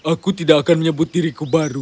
aku tidak akan menyebut diriku baru